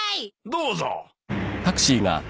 どうぞ。